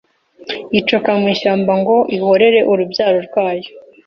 yicoka mu ishyamba ngo ihorere urubyaro rwayo,